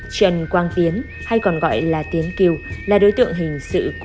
trần quang tiến hay còn gọi là tiến kiều là đối tượng hình sự của